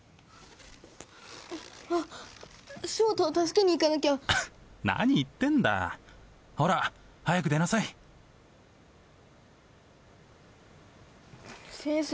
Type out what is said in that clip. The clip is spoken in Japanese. あっショウタを助けに行かなきゃ何言ってんだほら早く出なさい先生